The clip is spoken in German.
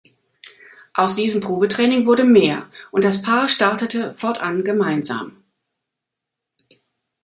Aus diesem Probetraining wurde mehr und das Paar startete fortan gemeinsam.